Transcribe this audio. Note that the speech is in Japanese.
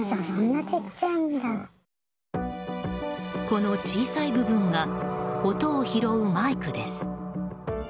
この小さい部分が音を拾うマイクです。